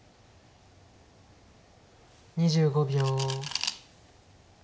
２５秒。